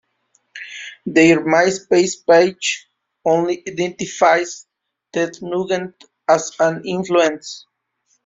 Their MySpace page only identifies Ted Nugent as an influence.